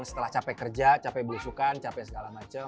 setelah capek kerja capek belusukan capek segala macam